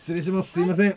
すいません！